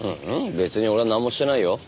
別に俺はなんもしてないよ。